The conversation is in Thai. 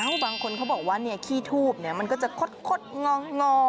เอ้าบางคนเขาบอกว่าเนี่ยขี้ทูบเนี่ยมันก็จะคดงอ